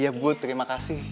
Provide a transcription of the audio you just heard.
iya bu terima kasih